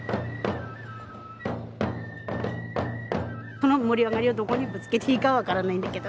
この盛り上がりをどこにぶつけていいか分からないんだけど。